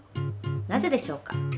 なぜでしょうか？